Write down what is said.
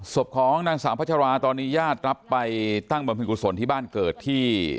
สวบของนางสามพระชาวาตอนนี้ยาตรนับไปตั้งบรรพิกุศลที่บ้านเกิดที่